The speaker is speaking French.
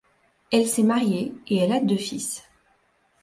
Elle s'est mariée et elle a deux fils.